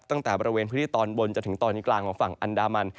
ตั้งแต่บริเวณพื้นที่ตอนบนจนถึงตอนกลางของฝั่งอันดามัน